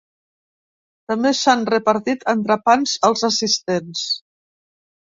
També s’han repartit entrepans als assistents.